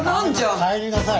帰りなさい。